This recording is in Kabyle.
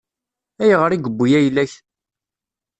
Ayɣer i yewwi ayla-k?